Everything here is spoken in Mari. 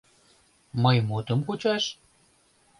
— Мый мутым кучаш?